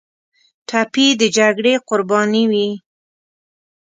ټپي د جګړې قرباني وي.